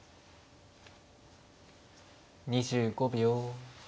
２５秒。